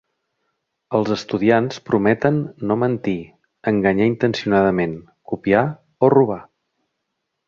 Els estudiants prometen no mentir, enganyar intencionadament, copiar o robar.